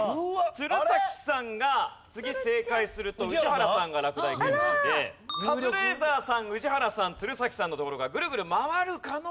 鶴崎さんが次正解すると宇治原さんが落第圏内でカズレーザーさん宇治原さん鶴崎さんのところがグルグル回る可能性も。